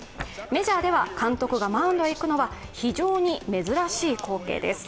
メジャーでは、監督がマウンドへ行くのは非常に珍しい光景です。